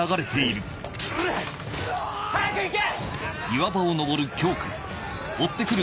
早く行け！